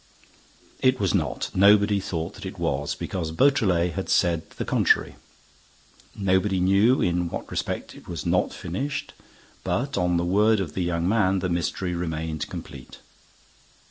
It was not. Nobody thought that it was, because Beautrelet had said the contrary. Nobody knew in what respect it was not finished, but, on the word of the young man, the mystery remained complete.